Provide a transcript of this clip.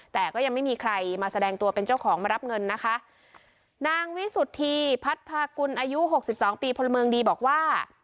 แต่ก็ยังไม่มีใครมาแสดงตัวเป็นเจ้าของมารับเงินนะคะนางวิสุทธีพัดพากุลอายุหกสิบสองปีพลเมืองดีบอกว่า